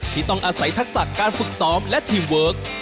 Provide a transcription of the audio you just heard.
ที่ต้องอาศัยทักษะการฝึกซ้อมและทีมเวิร์ค